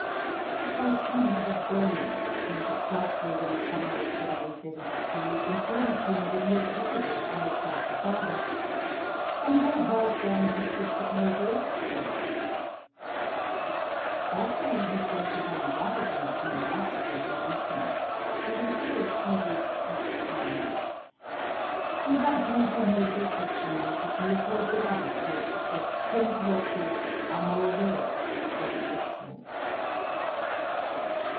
A correspondent of Burney who was at Salzburg in the summer of 1772 informs him that he has visited Mozart the father, and heard Wolfgang and his sister play duets together; Wolfgang, he says, is undoubtedly a master of his instrument, but he appears to have reached his climax, and, judging from his orchestral music, he affords another proof that premature fruits are more rare than excellent.